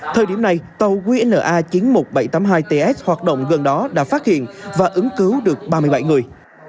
thời điểm này tàu qna chín mươi một nghìn bảy trăm tám mươi hai ts hoạt động gần đó đã phát hiện và ứng cứu được ba mươi bảy người